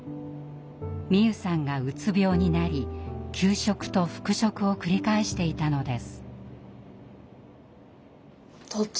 美夢さんがうつ病になり休職と復職を繰り返していたのです。